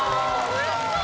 おいしそう。